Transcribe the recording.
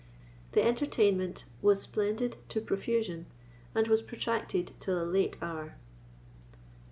The entertainment was splendid to profusion, and was protracted till a late hour.